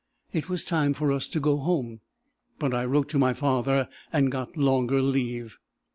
It was time for us to go home; but I wrote to my father, and got longer leave."